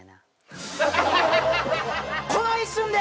この一瞬で！？